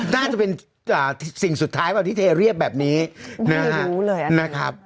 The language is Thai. น่าจะเป็นอ่าสิ่งสุดท้ายแบบที่เทเรียบแบบนี้นะฮะได้รู้เลยนะครับ